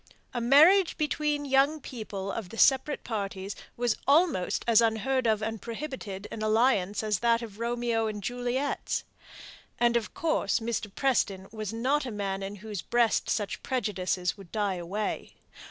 A marriage between the young people of the separate parties was almost as unheard of and prohibited an alliance as that of Romeo and Juliet's. And of course Mr. Preston was not a man in whose breast such prejudices would die away.